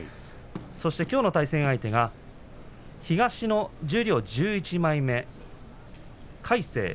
そしてきょうの対戦相手が東の十両１１枚目、魁聖。